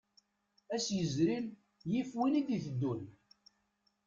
Ass yezrin yif win i d-iteddun.